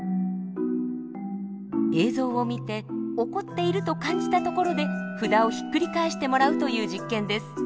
映像を見て怒っていると感じたところで札をひっくり返してもらうという実験です。